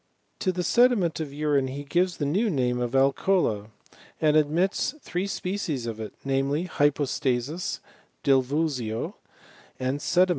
To the sediment of urine he gives the new name of alcola, and admits three species of it, namely, hypos^ tasis, divulsio, and sedimen.